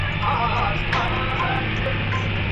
ولي زیارکښ خلګ تل د خپل کار په پایلو مطمین وي؟